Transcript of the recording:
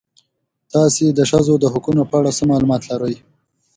تاسې د ښځو د حقونو په اړه څه معلومات لرئ؟